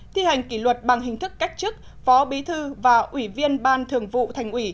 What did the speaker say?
thi hành kỷ luật bằng hình thức cách chức phó bí thư và ủy viên ban thường vụ thành ủy